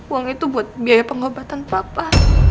uang itu buat biaya pengobatan papa